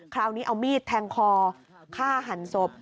คราวนี้เอามีดแทงคอฆ่าหันศพ